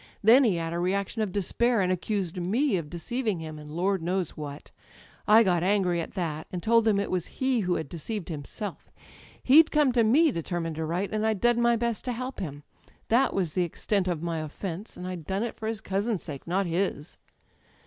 Then he had a reaction of despair, and accused me of deceiving him, and Lord knows what. I got angry at that, and told him it was he who had deceived himself. He'd come to me determined to write, and I'd done my best to help him. That was the extent of my offence, and I'd done it for his cousin's sake, not his.